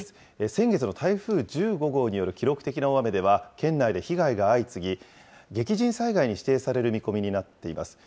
先月の台風１５号による記録的な大雨では県内で被害が相次ぎ、激甚災害に指定される見込みになっています。